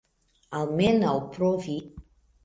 Almenaŭ provi.